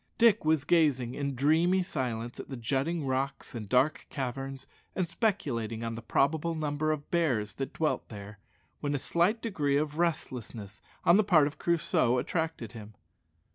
Dick was gazing in dreamy silence at the jutting rocks and dark caverns, and speculating on the probable number of bears that dwelt there, when a slight degree of restlessness on the part of Crusoe attracted him.